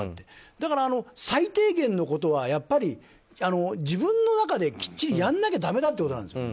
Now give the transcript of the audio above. だから最低限のことは自分の中で、きっちりやらなきゃだめだってことなんです。